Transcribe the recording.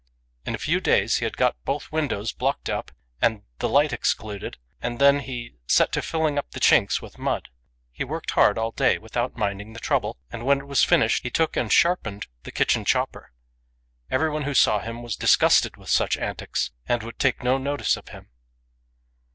In a few days she had got both windows blocked up and the light excluded ; and then she set to filling up the chinks with mud. She worked hard all day without minding the trouble, and when it was finished she smoothed it off with the kitchen chopper. Everyone who saw her was disgusted with such antics, and would take no notice of her.